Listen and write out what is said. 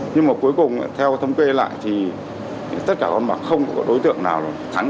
nhưng mà cuối cùng theo thống kê lại thì tất cả con bạc không có đối tượng nào thắng